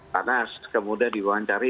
karena sekemudah diwawancari